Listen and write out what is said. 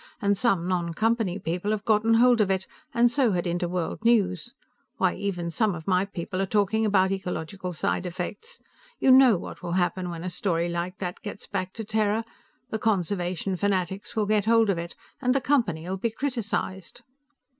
"And some non Company people have gotten hold of it, and so had Interworld News. Why, even some of my people are talking about ecological side effects. You know what will happen when a story like that gets back to Terra. The conservation fanatics will get hold of it, and the Company'll be criticized."